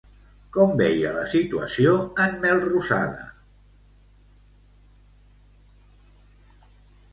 Com veia la situació en Melrosada?